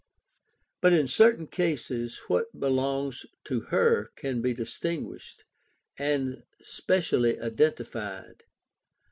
But in certain cases, what belongs to her can be distinguished, and specially identified.